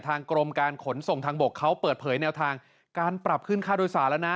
กรมการขนส่งทางบกเขาเปิดเผยแนวทางการปรับขึ้นค่าโดยสารแล้วนะ